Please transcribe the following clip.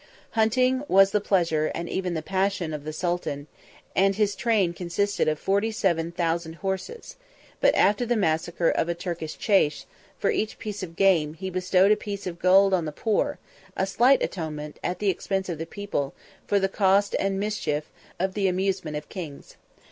Hunting was the pleasure, and even the passion, of the sultan, and his train consisted of forty seven thousand horses; but after the massacre of a Turkish chase, for each piece of game, he bestowed a piece of gold on the poor, a slight atonement, at the expense of the people, for the cost and mischief of the amusement of kings.